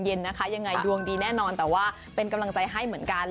นะคะยังไงดวงดีแน่นอนแต่ว่าเป็นกำลังใจให้เหมือนกัน